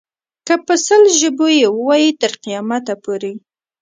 که په سل ژبو یې وایې تر قیامته پورې.